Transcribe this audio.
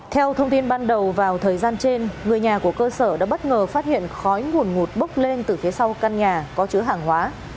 theo thông tin ban đầu vào thời gian trên người nhà của cơ sở đã bất ngờ phát hiện khói nguồn ngụt bốc lên từ phía sau căn nhà có chứa hàng hóa